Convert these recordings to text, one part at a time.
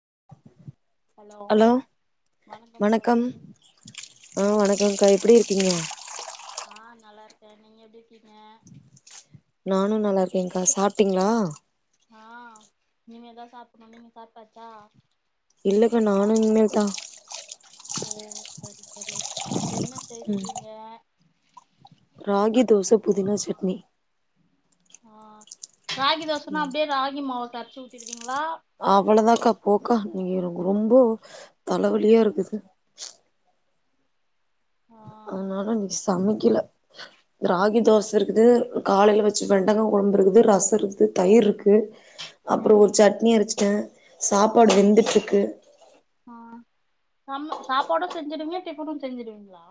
[inaudible] hello வணக்கம் ஆ [inaudible] வணக்கம்கா எப்டி இருக்கீங்க [inaudible] நானும் நல்லா இருக்கேங்க்கா சாப்பிட்டீங்களா ஆஹ் இனிமே தான் சாப்பிடணும் நீங்க சாப்டாச்சா இல்லக்கா நானும் இனிமேல் தான் ஹ சரி சரி என்ன ம் செஞ்சீங்க ராகி தோச புதினா சட்னி ஆஹ் ராகி தோசைனா அப்படியே ராகி மாவு சச்ச [unintelligible] ங்க [unintelligible] அக்கா போக்கா ரொம்போ தலைவலியா இருக்கு ஆ அதனாலே இன்னைக்கு சமைக்கல ராகி தோசை இருக்குது காலையில வச்சு வெண்டைக்காய் குழம்பு இருக்குது ரசம் இருக்குது தயிர் இருக்கு அப்புறம் ஒரு ம் சட்னி அரைச்சேன் ட்ட [unintelligible] சாப்பாடு ம் வெந்துட்டு இருக்கு சம் சாப்பாடும் செஞ்சடுவீங்க டிப்பன்னும் செஞ்சுடுவீங்களா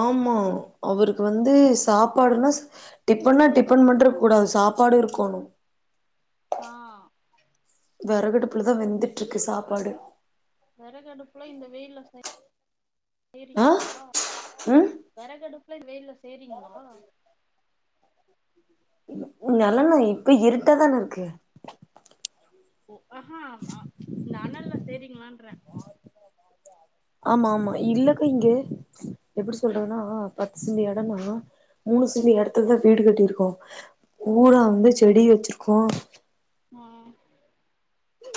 ஆமா அவருக்கு வந்து சாப்பாடுனா டிப்பனனா டிப்பன் மட்டும் இருக்கக்கூடாது சாப்பாடும் இருக்கணும் ஆஹ் விறகடுப்புலதான் வெந்துட்டு இருக்கு சாப்பாடு விறகு அடுப்புல இந்த வெயில்ல செய் ஆ செயிரிங்களா ம் விறகடுப் வெய்லா செயிரிங்களா நிழலா இப்ப இருட்டா தானே இருக்கு ஓ [unintelligible] ஆஹா இந்த அனல்லேசெயிரிங்களான் [unintelligible] ஆமா ஆமா இல்லக்கா இங்க எப்படி சொல்றதுன்னா பத்துசென்ட் இடன்னா மூணு சென்ட்டு ம் இடத்துலா தான் வீடு கட்டிருக்கு ஊரா வந்து செடி வச்சிருக்கோம் உம் [unintelligible]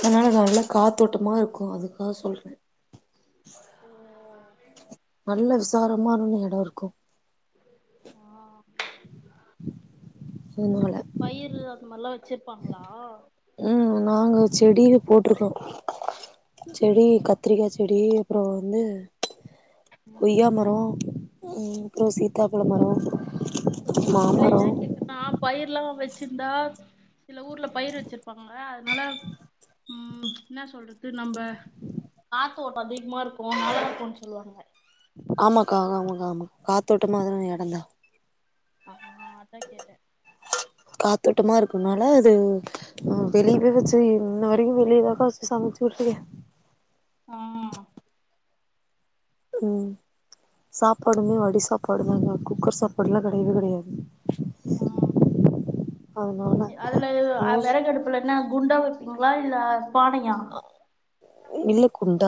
அதனால நல்ல காத்தோட்டமா இருக்கும் அதுக்காக சொல்றேன் நல்ல விசாரமான்னு இடம் இருக்கும் உம் [unintelligible] அதனால பயிர் அந்த மாதிரிலாம் வச் வச்சிருப்பாங்களா உம் நாங்க செடியிலம் போட்டிருக்கோம்கா செடி கத்திரிக்காய் செடி அப்புறம் வந்து ம் கொய்யா மரம் உம் அப்புறம் சிதாப்பழம் மரம் இல்ல இல்லை நான் பயிரல்லாம் வச்சிருந்தா சில ஊர்ல பயிர் வச்சிருப்பாங்க அதனால உம் என்ன சொல்றது நம்ம காத்து ஓட்டம் அதிகமா இருக்கும் நல்லா இருக்கும்ன்னு சொல்லுவாங்க ஆமாக்கா ஆமா ஆ ஆமா காத்தோட்டமானா இடம்ந்தான் ஆஹ் அதான் கேட்டேன் கத்தோட்டமா இருக்கும்னால அது வெளியே போய் வச்சு இன்ன வரைக்கும் வெளியேதாக்கா வச்சு சமைச்சு வைக்கிறேன் ஆஹ் [unintelligible] உம் சாப்பாடுமே வடி சாப்பாடு தாங்க குக்கர் சாப்பாடுலாம் கிடையவே கிடையாது உம் அதனால அதுல மோஸ் விறகடுப்புல என்ன குண்டான் வைப்பீங்களா இல்ல பானையா இல்லக்குண்டு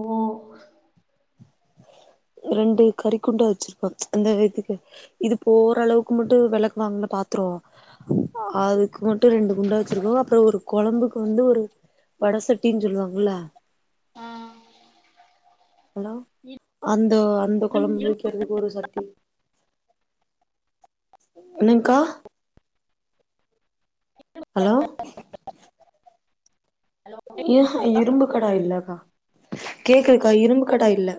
ஓ ரெண்டு கறிக்குண்டான் வச்சிருப்பம் அந்த இதுக்கு இது போற அளவுக்கு மட்டும் விளக்குவாங்கல்ல பாத்துரம் அது மட்டும் ரெண்டு குண்டா வச்சிருக்கோம் அப்புறம் ஒரு குழம்புக்கு வந்து ஒரு வடசட்டின்னு சொல்லுவாங்கள்ல ஆ ஹலோ இ அந்த அந்த குழம்பு இ வக்கிறதுக்கு ஒரு சட்டி என்னங்கா ஹலோ இரும்பு கடா இல்லக்கா கேக்குதுக்கா இரும்பு கடா இல்ல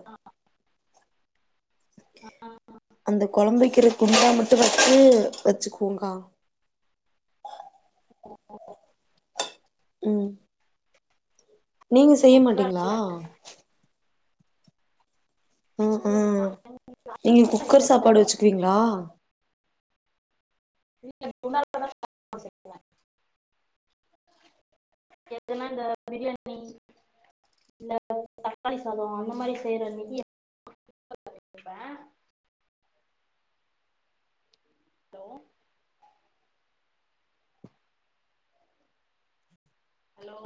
அந்த குழம்புவைக்கிற கும்மாய மட்டும் வச்சு பச்சுக்கோங்கா உம் நீங்க செய்ய மாட்டீங்களா உம் ம் நீங்க குக்கர் சாப்பாடு வச்சுக்குவீங்களா ஏன்னா இந்த பிரியாணி இல்ல தக்காளி சாதம் அந்த மாதிரி செய்யறன்னைக்கு ப்பேன் ஹலோ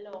ஹலோ